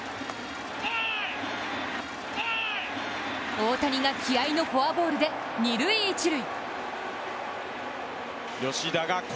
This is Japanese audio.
大谷が気合いのフォアボールで二・一塁。